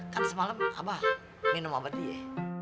kan semalam apa minum abadi ya